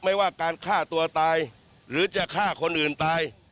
ไม่ว่าการฆ่าตัวตายหรือจะฆ่าคนอื่นตาย